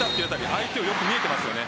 相手をよく見ていますよね。